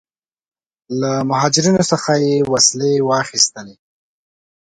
له مهاجرینو څخه وسلې واخیستلې.